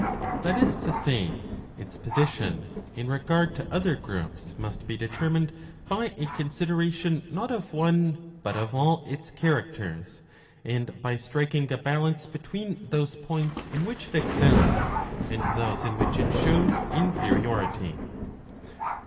^ That is to say, its position | in regard to other groups must be determined by a consideration not/ of one but of all its characters, and by striking a balance between those points in which it excels and those in which it shows inferiority.